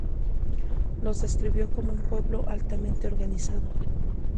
Los describió como un pueblo altamente organizado.